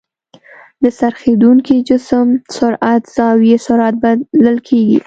د څرخېدونکي جسم سرعت زاويي سرعت بلل کېږي.